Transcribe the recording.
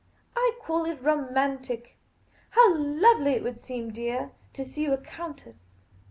I call it romantic. How lovely it would seem, dear, to see you a countess